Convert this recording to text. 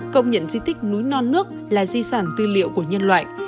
công nhận di tích núi non nước là di sản tư liệu của nhân loại